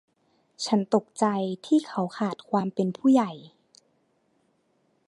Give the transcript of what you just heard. ฉันตกใจที่เขาขาดความเป็นผู้ใหญ่